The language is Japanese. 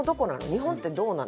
「日本ってどうなの？」